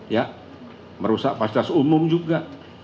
ya merusak fasilitas umum juga